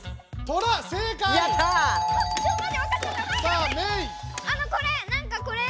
あのこれ！